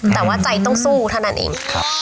แต่ว่าใจต้องสู้เท่านั้นเอง